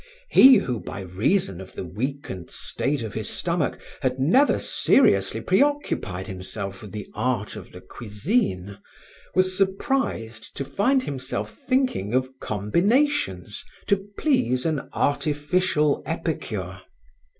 He who by reason of the weakened state of his stomach had never seriously preoccupied himself with the art of the cuisine, was surprised to find himself thinking of combinations to please an artificial epicure.